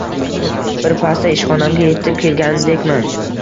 Bir pastda ishxonamga etib kelgandekman